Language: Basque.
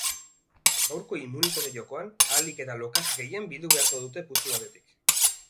Gaurko immunitate jokoan, ahalik eta lokatz gehien bildu beharko dute putzu batetik.